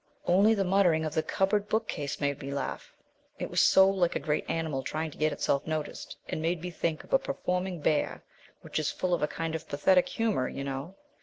"Only the muttering of the cupboard bookcase made me laugh. It was so like a great animal trying to get itself noticed, and made me think of a performing bear which is full of a kind of pathetic humour, you know.